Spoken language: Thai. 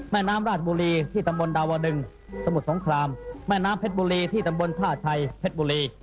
แม่น้ำราชบุรีที่ตำบลดาวดึงสมุทรสงครามแม่น้ำเพชรบุรีที่ตำบลท่าชัยเพชรบุรี